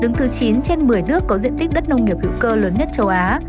đứng thứ chín trên một mươi nước có diện tích đất nông nghiệp hữu cơ lớn nhất châu á